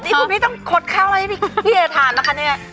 นี่คุณพี่ต้องคดข้าวให้พี่เอทานนะคะเนี่ย